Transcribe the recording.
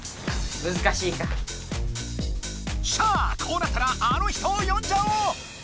さあこうなったらあの人をよんじゃおう！